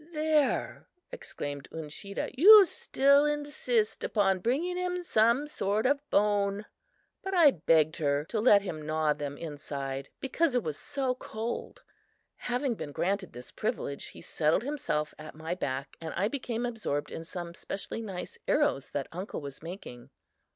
"There," exclaimed Uncheedah, "you still insist upon bringing in some sort of bone!" but I begged her to let him gnaw them inside because it was so cold. Having been granted this privilege, he settled himself at my back and I became absorbed in some specially nice arrows that uncle was making.